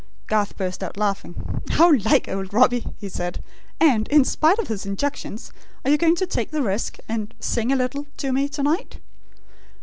Garth burst out laughing. "How like old Robbie," he said. "And, in spite of his injunctions, are you going to take the risk, and 'sing a little,' to me, to night?"